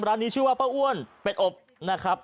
ร้านนี้ชื่อว่าป้าอ้วนเป็ดอบนะครับ